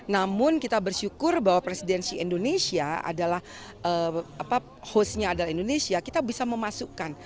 namun kita bersyukur bahwa presidensi indonesia adalah hostnya adalah indonesia kita bisa memasukkan